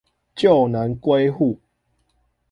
就能歸戶